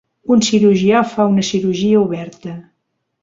Un cirurgià fa una cirurgia oberta.